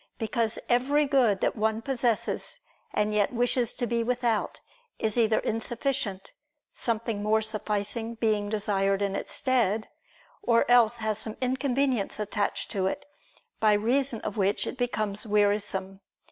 Because every good that one possesses and yet wishes to be without, is either insufficient, something more sufficing being desired in its stead; or else has some inconvenience attached to it, by reason of which it becomes wearisome.